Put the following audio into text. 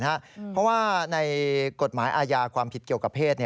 เพราะว่าในกฎหมายอาญาความผิดเกี่ยวกับเพศ